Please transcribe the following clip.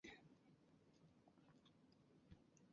这些信息都是结构上的信息。